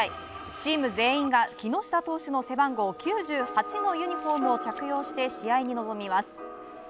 チーム全員が木下投手の背番号、９８のユニフォームを着用して試合に臨みます。